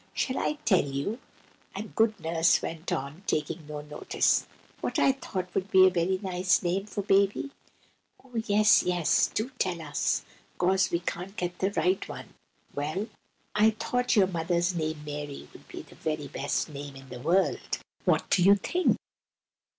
"Shall I tell you," the good Nurse went on, taking no notice, "what I thought would be a very good name for baby?" "Oh yes! yes! do tell us, 'cause we can't get the right one." "Well, I thought your mother's name, Mary, would be the very best name in the world. What do you think?"